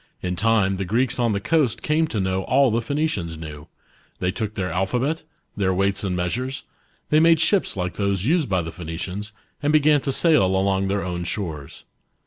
In 1 time the Greeks on the coast came to know all the Phoenicians knew: they took their alphabet, .their weights and measures ; they made ships like those used by the Phoenicians, and began to sail along their own shores.